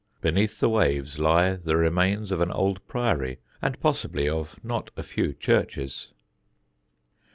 Beneath the waves lie the remains of an old Priory and possibly of not a few churches.